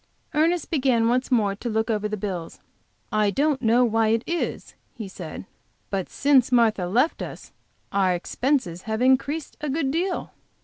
Ernest began once more to look over the bills. "I don't know how it is," he said, "but since Martha left us our expenses have increased a good deal."